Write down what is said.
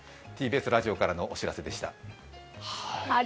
ＴＢＳラジオからのお知らせでした。